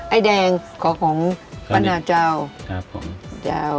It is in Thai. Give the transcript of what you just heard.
ไอ้แดงของป้าหนาวเจ้า